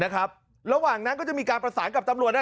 ระหว่างนั้นก็จะมีการประสานกับตำรวจ